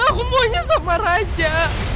aku maunya sama raja